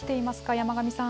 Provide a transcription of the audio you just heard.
山神さん。